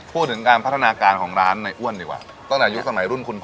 พูดถึงการพัฒนาการของร้านในอ้วนดีกว่าตั้งแต่ยุคสมัยรุ่นคุณพ่อ